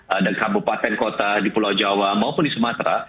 ada kabupaten kota di pulau jawa maupun di sumatera